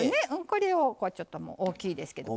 これをちょっと大きいですけど。